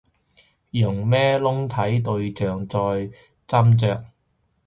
用咩窿睇對象再斟酌